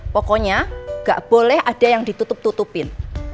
pokoknya gak boleh ada yang ditutup tutupin